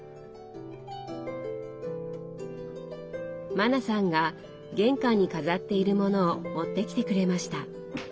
マナさんが玄関に飾っているものを持ってきてくれました。